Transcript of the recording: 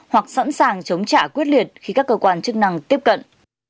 hoặc sẵn sàng chống trả quyết liệt khi các cơ quan chức năng tiếp cận